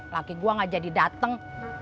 laki gua gak jadi dateng